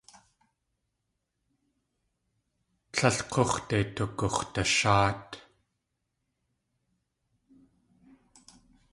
Tlél k̲úx̲de tugux̲dasháat.